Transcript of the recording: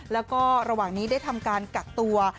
แล้วก็ระหว่างนี้ได้ทำการกักตัว